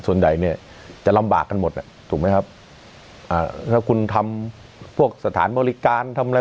ส่วนใหญ่เนี่ยจะลำบากกันหมดอ่ะถูกไหมครับอ่าถ้าคุณทำพวกสถานบริการทำอะไร